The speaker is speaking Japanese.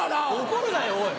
怒るなよおい。